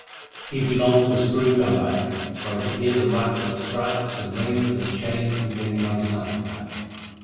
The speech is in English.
He belonged to a screw gun battery, for I could hear the rattle of the straps and rings and chains and things on his saddle pad.